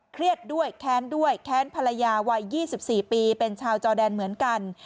เครียดด้วยแค้นด้วยแค้นภรรยาวัย๒๔ปีเป็นชาวจอแดนเหมือนกัน